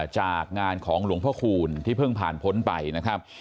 จากงานของหลวงพ่อคูณที่เพิ่งผ่านพ้นไปนะครับ